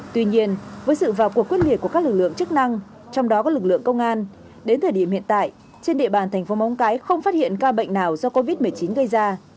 tuy nhiên với sự vào cuộc quyết liệt của các lực lượng chức năng trong đó có lực lượng công an đến thời điểm hiện tại trên địa bàn thành phố móng cái không phát hiện ca bệnh nào do covid một mươi chín gây ra